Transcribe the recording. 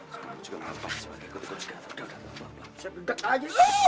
sekarang juga nampak sebagai kutuk juga